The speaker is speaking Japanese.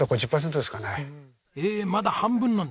ええまだ半分なんだ！